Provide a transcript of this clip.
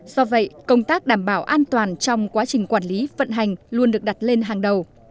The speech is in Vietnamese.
do vậy công tác đảm bảo an toàn trong quá trình quản lý vận hành luôn được đặt lên hàng đầu